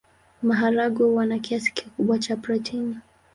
Maharagwe huwa na kiasi kikubwa cha protini.